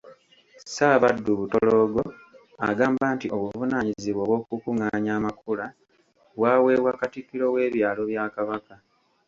Ssaabaddu Butoloogo agamba nti obuvunaanyizibwa obwokukungaanya amakula bwaweebwa Katikkiro W’ebyalo bya Kabaka.